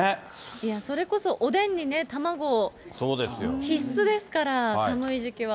それこそおでんに卵、必須ですから、寒い時期は。